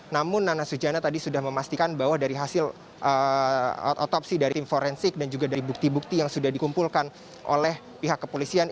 namun nana sujana tadi sudah memastikan bahwa dari hasil otopsi dari tim forensik dan juga dari bukti bukti yang sudah dikumpulkan oleh pihak kepolisian